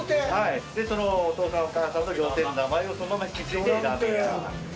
そのお父さん、お母さんの料亭の名前をそのまま引き継いでラーメン屋になってます。